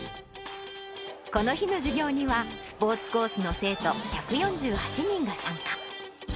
この日の授業には、スポーツコースの生徒１４８人が参加。